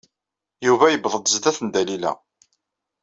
Yuba yewweḍ-d zdat n Dalila.